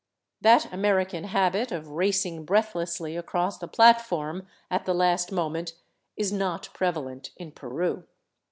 That American habit of racing breathlessly across the platform at the last moment is not prevalent in Peru.